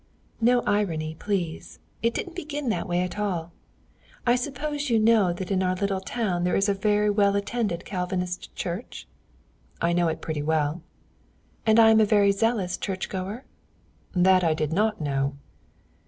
"No irony, please! It didn't begin that way at all. I suppose you know that in our little town there is a very well attended Calvinist church?" "I know it pretty well." "And I am a very zealous church goer?" "That I did not know."